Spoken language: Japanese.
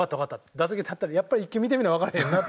打席に立ったらやっぱり１球見てみなわからへんなって。